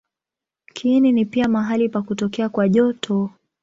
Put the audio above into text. Kiini ni pia mahali pa kutokea kwa joto.